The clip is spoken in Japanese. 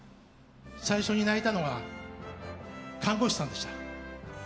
最初に泣いたのが看護師さんでした。